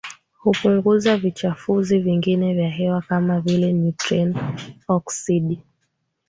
hupunguza vichafuzi vingine vya hewa kama vile nitrojeni oksidi